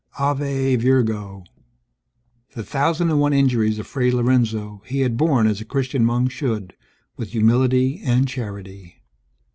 Ave, Virgo! The thousand and one injuries of Fray Lorenzo he had borne as a Christian monk should, with humility and charity.